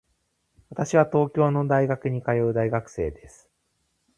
私は東京の大学に通う大学生です。